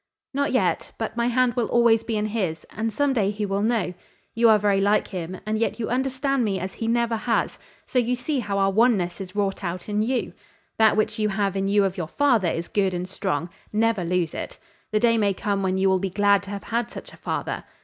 "Not yet, but my hand will always be in his, and some day he will know. You are very like him, and yet you understand me as he never has, so you see how our oneness is wrought out in you. That which you have in you of your father is good and strong: never lose it. The day may come when you will be glad to have had such a father.